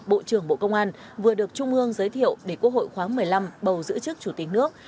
bộ trưởng bộ công an vừa được trung ương giới thiệu để quốc hội khoáng một mươi năm bầu giữ chức chủ tịch nước